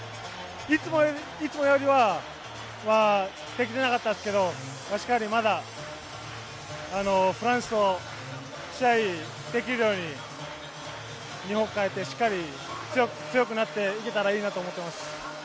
いつもよりはできていなかったですけど、しっかりまたフランスと試合できるように、日本に帰って強くなっていけたらいいなと思っています。